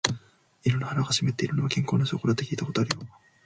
犬の鼻が湿っているのは、健康な証拠だって聞いたことあるよ。